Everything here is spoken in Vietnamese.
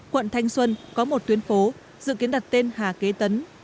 quận thanh xuân có một tuyến phố dự kiến đặt tên hà kế tấn